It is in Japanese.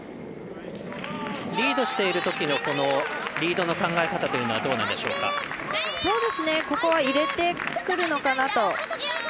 リードしているときの考え方というのはここは入れてくるのかなと。